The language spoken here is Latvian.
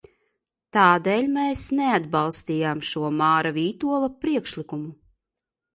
Tādēļ mēs neatbalstījām šo Māra Vītola priekšlikumu.